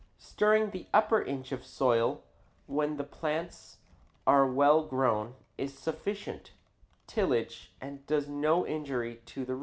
Stirring the upper inch of soil when the plants are well grown is sufficient tillage and does no injury to the roots.